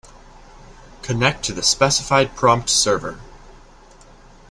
Connect to the specified prompt server.